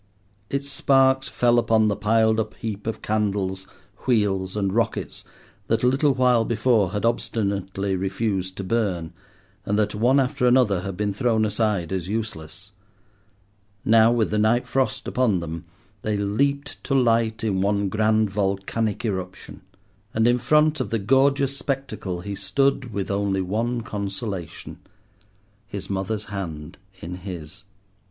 Its sparks fell upon the piled up heap of candles, wheels, and rockets that a little while before had obstinately refused to burn, and that, one after another, had been thrown aside as useless. Now with the night frost upon them, they leaped to light in one grand volcanic eruption. And in front of the gorgeous spectacle he stood with only one consolation—his mother's hand in his.